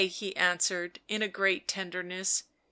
he answered, in a great tenderness.